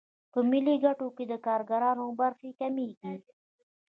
په ملي ګټو کې د کارګرانو برخه کمېږي